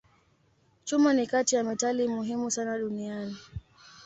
Chuma ni kati ya metali muhimu sana duniani.